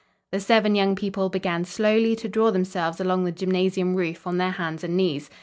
The seven young people began slowly to draw themselves along the gymnasium roof on their hands and knees.